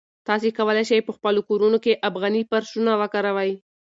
تاسي کولای شئ په خپلو کورونو کې افغاني فرشونه وکاروئ.